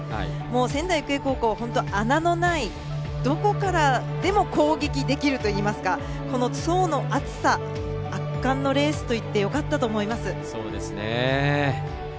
仙台育英高校、本当、穴のないどこからでも攻撃できるといいますか層の厚さ、圧巻のレースといってよかったと思います。